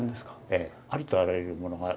ええありとあらゆるものが。